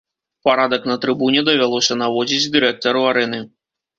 Парадак на трыбуне давялося наводзіць дырэктару арэны.